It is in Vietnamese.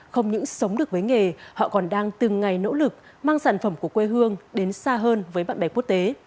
không những sống được với nghề họ còn đang từng ngày nỗ lực mang sản phẩm của quê hương đến xa hơn với bạn bè quốc tế